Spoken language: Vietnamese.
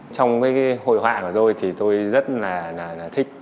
trong cái hội họa của tôi thì tôi rất là thích